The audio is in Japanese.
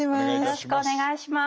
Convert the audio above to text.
よろしくお願いします。